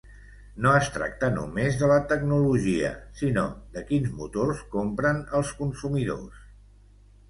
No es tracta només de la tecnologia, sinó de quins motors compren els consumidors.